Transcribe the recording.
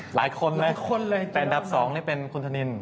หลายคนเลยแต่อันดับ๒นี่เป็นคุณธนิน